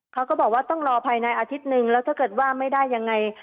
เขาก็บอกว่าต้องรอภายในอาทิตย์หนึ่งแล้วถ้าเกิดว่าไม่ได้ยังไง